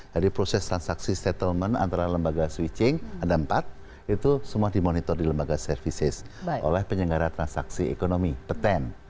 jadi proses transaksi settlement antara lembaga switching ada empat itu semua dimonitor di lembaga services oleh penyelenggara transaksi ekonomi pten